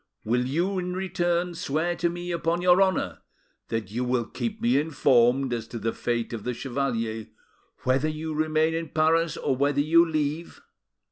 Will you, in return, swear to me upon your honour that you will keep me informed as to the fate of the chevalier, whether you remain in Paris or whether you leave?